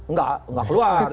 nggak nggak keluar